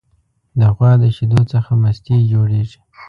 د غوا د شیدو څخه مستې جوړیږي.